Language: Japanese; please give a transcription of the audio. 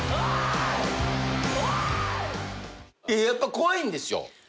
やっぱ怖いんですよ。